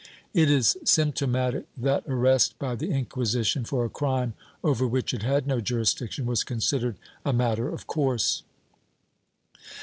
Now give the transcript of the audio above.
* It is symptomatic that arrest by the Inquisition, for a crime over which it had no jurisdiction, was considered a matter of course.